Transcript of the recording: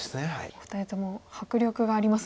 お二人とも迫力がありますね